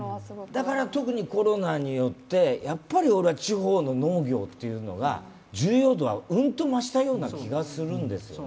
だから特にコロナによって、やっぱり俺は地方の農業の重要度がうんと増したような気がするんですよね。